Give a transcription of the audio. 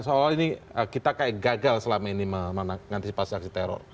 seolah olah ini kita kayak gagal selama ini mengantisipasi aksi teror